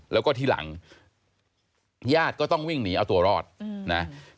แล้วก็ทีหลังญาติก็ต้องวิ่งหนีเอาตัวรอดนะ